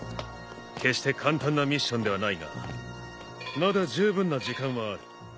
決して簡単なミッションではないがまだ十分な時間はある。